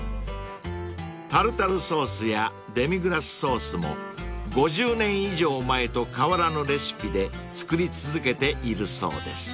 ［タルタルソースやデミグラスソースも５０年以上前と変わらぬレシピで作り続けているそうです］